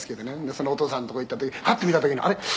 「そのお義父さんのところ行った時ハッて見た時にあれ？